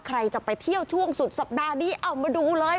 ใครจะไปเที่ยวช่วงสุดสัปดาห์นี้เอามาดูเลย